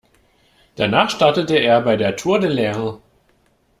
Danach startete er bei der Tour de l’Ain.